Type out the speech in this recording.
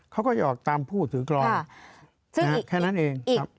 เขาก็จะออกตามผู้ถือกรองแค่นั้นเองครับ